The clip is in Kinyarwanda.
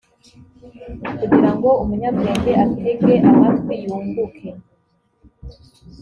kugira ngo umunyabwenge atege amatwi yunguke